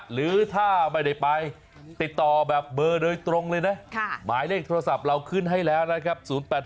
หรือถ้าไม่ได้ไปติดต่อแบบเบอร์โดยตรงเลยนะหมายเลขโทรศัพท์เราขึ้นให้แล้วนะครับ